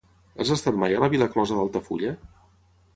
Has estat mai a la vila closa d'Altafulla?